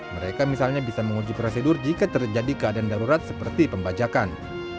mereka misalnya bisa menguji prosedur jika terjadi keadaan darurat seperti pembajakan